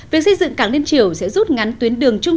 việc xây dựng cảng liên triều sẽ rút ngắn tuyến đường trung